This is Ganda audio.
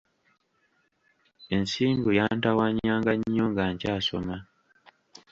Ensimbu yantawanyanga nnyo nga nkyasoma.